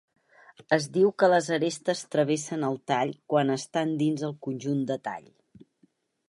Es diu que les arestes travessen el tall quan estan dins el conjunt de tall.